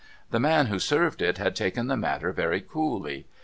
The man ^^•ho served it had taken the matter very coolly.